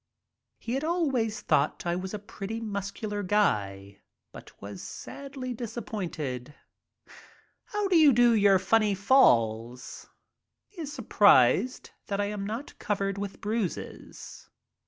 He had always thought I was a pretty muscular guy, but was sadly dis appointed. "How do you do your funny falls?" He is surprised that I am not covered with bruises.